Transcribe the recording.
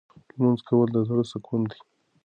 لمونځ کول د زړه سکون دی.